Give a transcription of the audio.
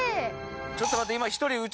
ちょっと待って。